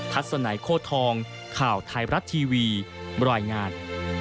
พัฒนาโคทองข่าวไทยรัฐทีวีบริงาร